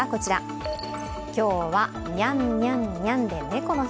今日はにゃんにゃんにゃんで猫の日。